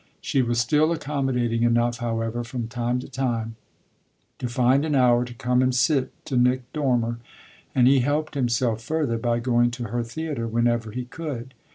She was still accommodating enough, however, from time to time, to find an hour to come and sit to Nick Dormer, and he helped himself further by going to her theatre whenever he could.